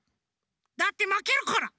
だってまけるから。